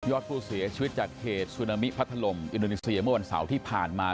อดผู้เสียชีวิตจากเหตุสุนามิพัทธลมอินโดนีเซียเมื่อวันเสาร์ที่ผ่านมา